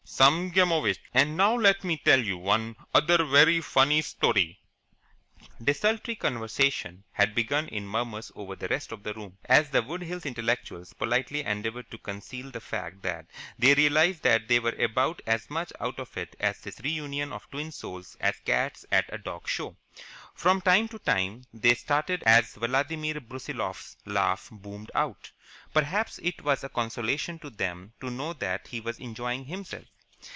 Some gameovitch! And now let me tell you one other vairy funny story " Desultory conversation had begun in murmurs over the rest of the room, as the Wood Hills intellectuals politely endeavoured to conceal the fact that they realized that they were about as much out of it at this re union of twin souls as cats at a dog show. From time to time they started as Vladimir Brusiloff's laugh boomed out. Perhaps it was a consolation to them to know that he was enjoying himself.